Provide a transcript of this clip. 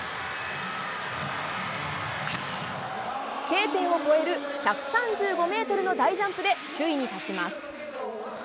Ｋ点を越える１３５メートルの大ジャンプで首位に立ちます。